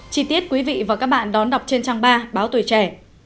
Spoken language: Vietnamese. chi tiết quý vị và các bạn đón đọc trên trang ba báo tuổi trẻ